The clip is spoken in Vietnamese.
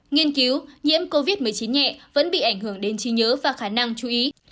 nghiên cứu nhiễm covid một mươi chín nhẹ vẫn bị ảnh hưởng đến trí nhớ và khả năng chú ý